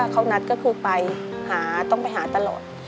เขานัดก็คือไปหาต้องไปหาตลอด